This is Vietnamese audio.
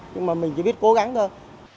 nhưng mà mình chỉ biết cố gắng thôi